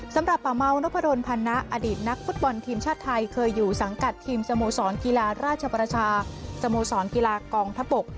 ป่าเมานพดลพันนะอดีตนักฟุตบอลทีมชาติไทยเคยอยู่สังกัดทีมสโมสรกีฬาราชประชาสโมสรกีฬากองทัพบก